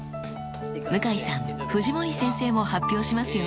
向井さん藤森先生も発表しますよ。